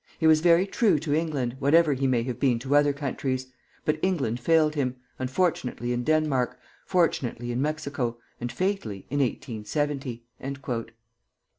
He was very true to England, whatever he may have been to other countries; but England failed him, unfortunately in Denmark, fortunately in Mexico, and fatally in 1870." [Footnote 1: Blackwood's Magazine.